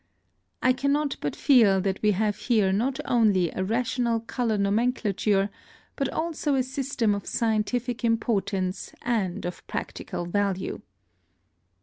I cannot but feel that we have here not only a rational color nomenclature, but also a system of scientific importance and of practical value.